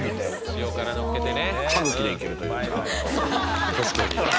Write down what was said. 塩辛のっけてね。